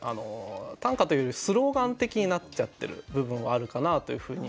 短歌というよりスローガン的になっちゃってる部分はあるかなというふうに思います。